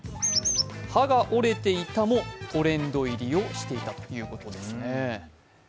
「歯が折れていた」もトレンド入りをしていたということですね。